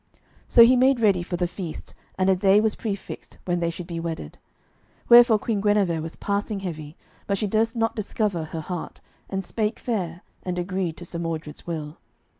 So he made ready for the feast, and a day was prefixed when they should be wedded. Wherefore Queen Guenever was passing heavy, but she durst not discover her heart, and spake fair, and agreed to Sir Mordred's will.